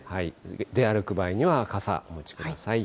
出歩く場合には傘、お持ちください。